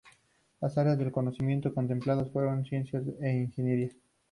Las áreas del conocimiento contempladas fueron ciencias e ingeniería.